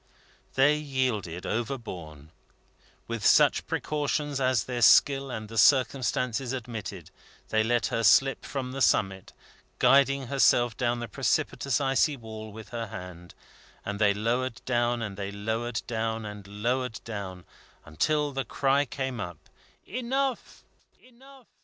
They yielded, overborne. With such precautions as their skill and the circumstances admitted, they let her slip from the summit, guiding herself down the precipitous icy wall with her hand, and they lowered down, and lowered down, and lowered down, until the cry came up: "Enough!"